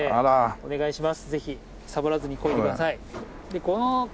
お願いします。